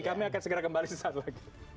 kami akan segera kembali sesaat lagi